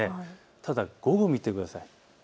ただ午後を見てください。